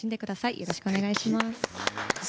よろしくお願いします。